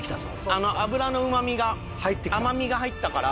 あの脂のうまみが甘みが入ったから。